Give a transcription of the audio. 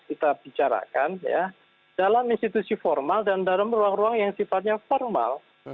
kita bicarakan dalam institusi formal dan dalam ruang ruang yang sifatnya formal